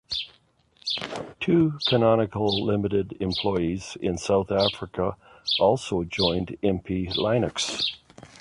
Two Canonical Limited employees in South Africa also joined Impi Linux.